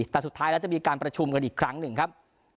แต่สุดท้ายแล้วจะมีการประชุมกันอีกครั้งหนึ่งครับ